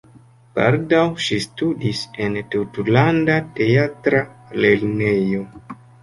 Baldaŭ ŝi studis en Tutlanda Teatra Lernejo.